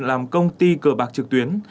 làm công ty cờ bạc trực tuyến